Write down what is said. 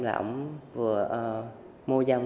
là ổng vừa mua dòng